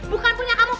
bukan punya kamu